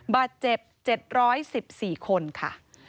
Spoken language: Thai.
บาดเจ็บ๗๑๔คนค่ะ